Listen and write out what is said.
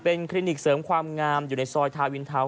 คลินิกเสริมความงามอยู่ในซอยทาวินเทา